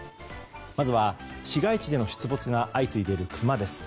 まずは、市街地での出没が相次いでいるクマです。